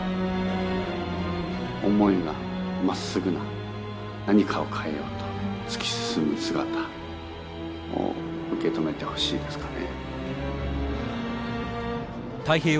思いがまっすぐな何かを変えようと突き進む姿を受け止めてほしいですかね。